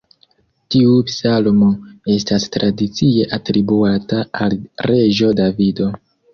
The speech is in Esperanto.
Tiu psalmo estas tradicie atribuata al reĝo Davido.